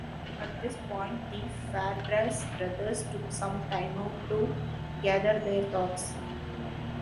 At this point the Fairbrass brothers took some time out to gather their thoughts.